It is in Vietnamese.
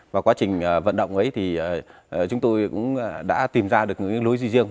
và quá trình vận động ấy thì chúng tôi cũng đã tìm ra được những lối duy riêng